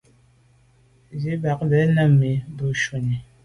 Á nǔm bâdə̀ á nə̀ bàdə̌ mùní bû shúnì.